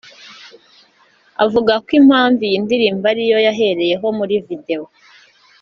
Avuga ko impamvu iyi ndirimbo ari yo yahereyeho muri video